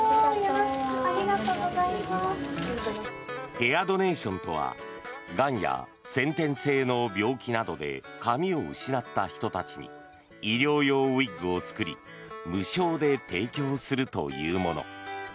ヘアドネーションとはがんや先天性の病気などで髪を失った人たちに医療用ウィッグを作り無償で提供するというもの。